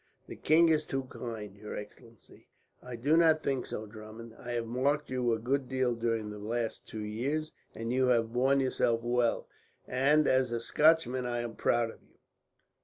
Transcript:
'" "The king is too kind, your excellency." "I do not think so, Drummond. I have marked you a good deal during the last two years, and you have borne yourself well; and as a Scotchman I am proud of you.